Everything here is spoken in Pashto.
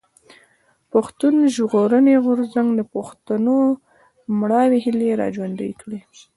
پښتون ژغورني غورځنګ د پښتنو مړاوي هيلې را ژوندۍ کړې.